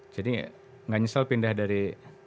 jadi gak nyesel pindah dari